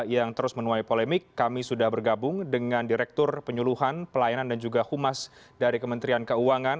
yang terus menuai polemik kami sudah bergabung dengan direktur penyuluhan pelayanan dan juga humas dari kementerian keuangan